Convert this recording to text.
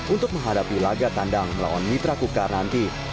untuk menghadapi laga tandang melawan mitra kukar nanti